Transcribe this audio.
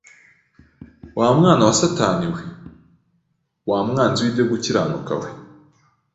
wa mwana wa Satani we, wa mwanzi w’ibyo gukiranuka we,